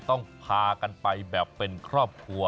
ต้องพากันไปแบบเป็นครอบครัว